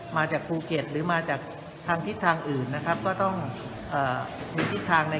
มาจากภูเก็ตหรือมาจากทางทิศทางอื่นนะครับก็ต้องเอ่อมีทิศทางใน